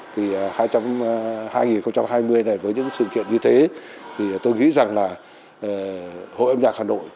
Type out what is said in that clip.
thì hai nghìn hai mươi này với những sự kiện như thế thì tôi nghĩ rằng là hội âm nhạc hà nội